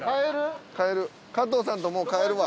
帰る加藤さんともう帰るわ。